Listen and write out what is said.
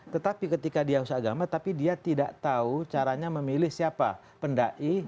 tetapi ketika dia hus agama tapi dia tidak tahu caranya memilih siapa pendai